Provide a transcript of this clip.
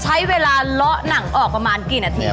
ใช้เวลาเลาะหนังออกประมาณกี่นาที